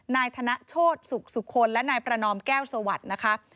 นายธนโชธสุขสุคลและนายประนอมแก้วสวัสดิ์นะคะ